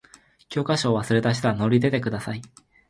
教科書を忘れた人は名乗り出てください。